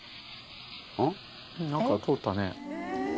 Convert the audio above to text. ・何か通ったね。